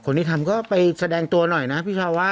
ที่ทำก็ไปแสดงตัวหน่อยนะพี่ชาวะ